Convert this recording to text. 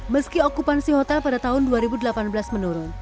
meski okupansi hotel pada tahun dua ribu delapan belas menurun